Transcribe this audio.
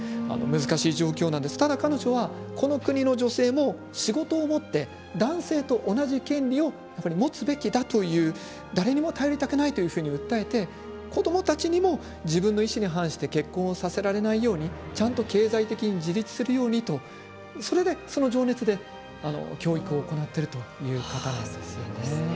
難しい状況で彼女はこの国の女性も仕事を持って男性と同じ権利を持つべきだという誰にも頼りたくないというふうに訴えて子どもたちにも自分の意思に反して結婚をさせられないように経済的に自立するようにとそれで、その情熱で教育を行っているという方なんですよね。